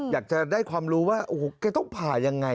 อยากจะได้ความรู้ว่าโอ้โหแกต้องผ่ายังไง